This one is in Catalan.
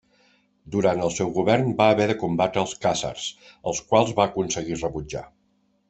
Durant el seu govern va haver de combatre els khàzars, als quals va aconseguir rebutjar.